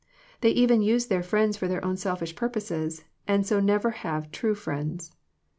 They even use their friends for their own selfish purposes, and so never have true friends.